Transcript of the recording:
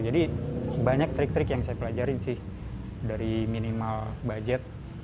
jadi banyak trik trik yang saya pelajari sih dari minimal budget